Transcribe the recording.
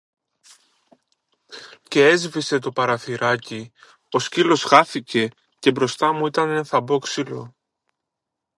Κι έσβησε το παραθυράκι, ο σκύλος χάθηκε, και μπροστά μου ήταν ένα θαμπό ξύλο